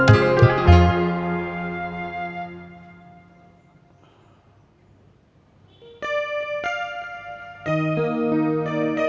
ih jangan temuk comot